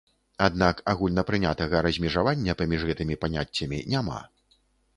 Аднак, агульнапрынятага размежавання паміж гэтымі паняццямі няма.